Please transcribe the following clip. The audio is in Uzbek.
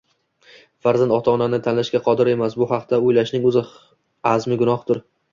Farzand ota-onani tanlashga qodir emas, bu haqida o`ylashning o’zi azmi gunohdir